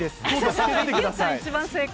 一番正解。